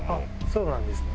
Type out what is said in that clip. そうなんですね。